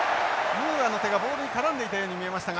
手がボールに絡んでいたように見えましたが。